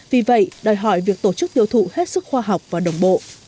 vì vậy đòi hỏi việc tổ chức tiêu thụ hết sức khoa học và đồng bộ